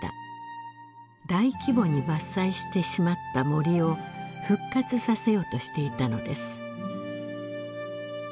大規模に伐採してしまった森を復活させようとしていたのです。